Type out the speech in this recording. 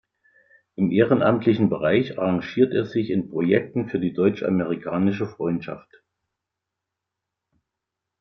Im ehrenamtlichen Bereich engagiert er sich in Projekten für die Deutsch-Amerikanische Freundschaft.